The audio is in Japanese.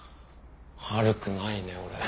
悪くないねこれ。